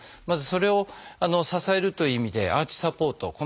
まずそれを支えるという意味でアーチサポート